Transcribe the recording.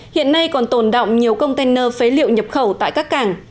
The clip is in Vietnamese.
hiện nay còn tồn động nhiều container phế liệu nhập khẩu tại các cảng